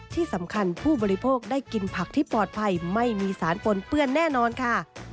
ที่สำคัญผู้บริโภคได้กินผักที่ปลอดภัยไม่มีสารปนเปื้อนแน่นอนค่ะ